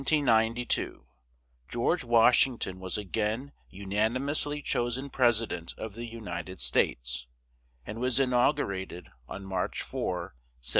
On November 6, 1792, George Washington was again unanimously chosen President of the United States, and was inaugurated on March 4, 1793.